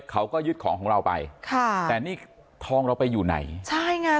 เขาก็ยึดของของเราไปค่ะแต่นี่ทองเราไปอยู่ไหนใช่ไง